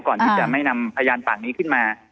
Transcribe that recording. ก่อนที่จะไม่นำพยานปากนี้ขึ้นมา